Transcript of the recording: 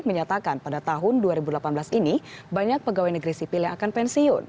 menyatakan pada tahun dua ribu delapan belas ini banyak pegawai negeri sipil yang akan pensiun